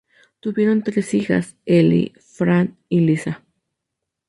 Tuvieron tres hijas: Elly, Fran y Liza.